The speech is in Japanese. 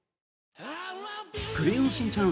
「クレヨンしんちゃん」